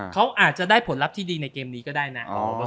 เขาอาจจะได้ผลลัพธ์ที่ดีในเกมนี้ก็ได้นะ